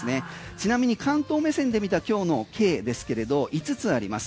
ちなみに関東目線で見た今日のＫですけれど５つあります。